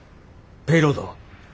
ペイロードは？